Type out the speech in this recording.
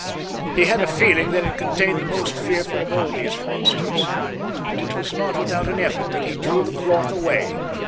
He had a feeling that it contained the most fearful of all these monsters; and it was not without an effort that he drew the cloth away.